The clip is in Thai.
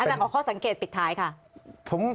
อาจารย์ขอข้อสังเกตปิดท้ายค่ะ